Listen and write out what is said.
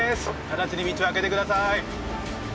直ちに道をあけてください